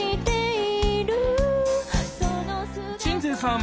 鎮西さん